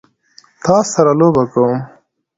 تاسو سره لوبه کوم؟